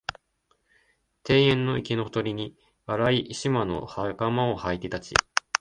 庭園の池のほとりに、荒い縞の袴をはいて立ち、